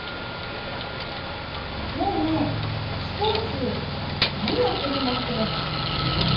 ねえねえスポーツ何やってるんだっけ？